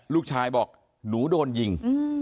ลูกชายบอกหนูโดนยิง